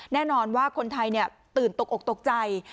แน่นอนว่าคนไทยตื่นตกอกตกใจ